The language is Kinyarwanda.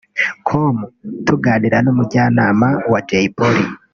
com tuganira n’umujyanama wa Jay Polly